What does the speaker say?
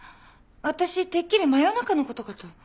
わたしてっきり真夜中のことかと。